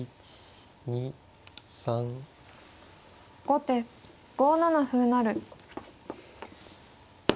後手５七歩成。